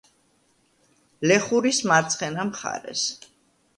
ლეხურის მარცხენა მხარეს.